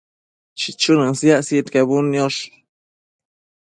chichunën siac sidquebudniosh